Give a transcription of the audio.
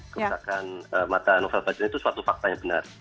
kerusakan mata novel baswedan itu suatu fakta yang benar